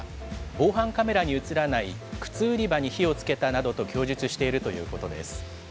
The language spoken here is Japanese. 防犯カメラに写らない靴売り場に火をつけたなどと供述しているということです。